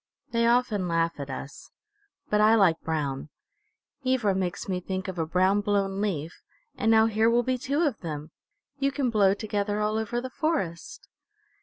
They often laugh at us. But I like brown. Ivra makes me think of a brown, blown leaf, and now here will be two of them! You can blow together all over the forest."